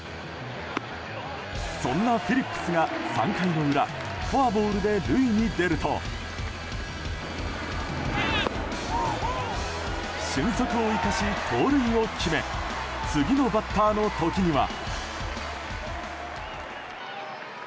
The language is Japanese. そんなフィリップスが３回の裏フォアボールで塁に出ると俊足を生かし盗塁を決め次のバッターの時には。